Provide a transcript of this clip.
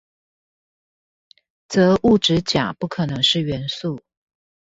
則物質甲不可能是元素